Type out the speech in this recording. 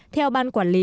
theo ban quản lý